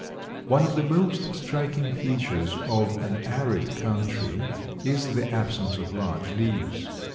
One of the most striking features of an arid country is the absence of large leaves.